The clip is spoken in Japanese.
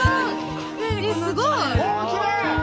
すごい！